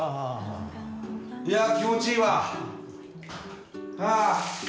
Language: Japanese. いや気持ちいいわ。